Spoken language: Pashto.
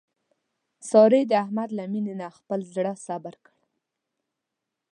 سارې د احمد له مینې نه خپل زړه صبر کړ.